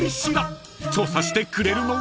［調査してくれるのは？］